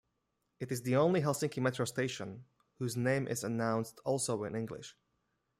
It is the only Helsinki Metro station whose name is announced also in English.